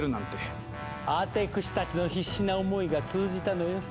アテクシたちの必死な思いが通じたのよ。